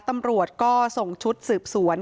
ตำรวจก็ส่งชุดสืบสวน